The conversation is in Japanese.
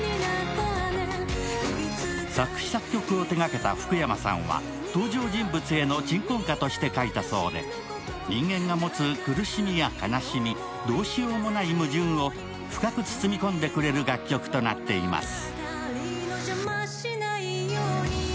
作詞・作曲を手がけた福山さんは登場人物への鎮魂歌として書いたそうで人間が持つ苦しみや悲しみどうしようもない矛盾を深く包み込んでくれる楽曲となっています。